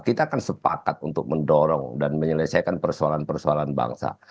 kita kan sepakat untuk mendorong dan menyelesaikan persoalan persoalan bangsa